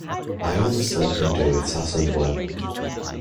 I honestly can do it as and when.